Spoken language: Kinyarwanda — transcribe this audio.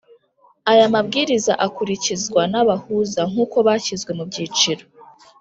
Aya mabwiriza akurikizwa n’abahuza nk’uko bashyizwe mu byiciro